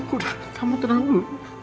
udah kamu tenang dulu